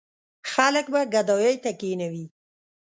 خلک به ګدايۍ ته کېنوي.